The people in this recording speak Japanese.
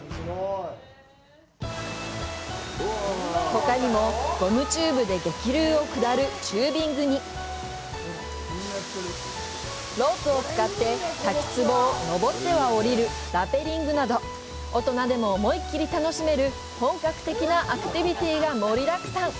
ほかにも、ゴムチューブで激流を下るチュービングにロープを使って滝つぼを上っては降りるラペリングなど大人でも思いっきり楽しめる本格的なアクティビティが盛りだくさん。